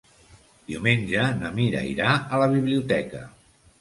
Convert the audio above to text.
Diumenge na Mira irà a la biblioteca.